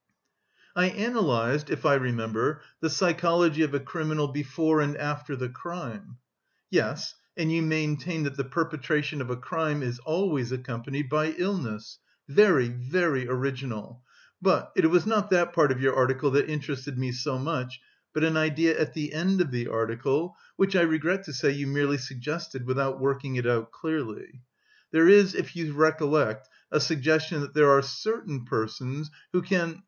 "I analysed, if I remember, the psychology of a criminal before and after the crime." "Yes, and you maintained that the perpetration of a crime is always accompanied by illness. Very, very original, but... it was not that part of your article that interested me so much, but an idea at the end of the article which I regret to say you merely suggested without working it out clearly. There is, if you recollect, a suggestion that there are certain persons who can...